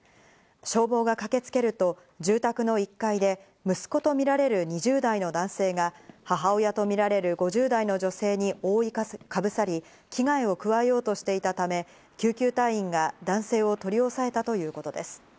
消防が駆けつけると住宅の１階で息子とみられる２０代の男性が、母親とみられる５０代の女性に覆いかぶさり、危害を加えようとしていたため、救急隊員が男性を取り押さえたということです。